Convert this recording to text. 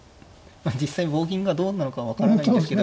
実際棒銀がどうなのか分からないんですけど。